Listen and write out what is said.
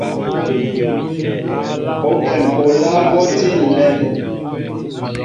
Óɓem oláá ɓɔ tí nlem.